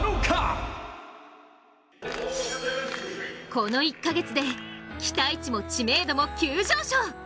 この１か月で期待値も知名度も急上昇。